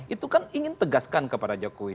itu kan ingin tegaskan kepada jokowi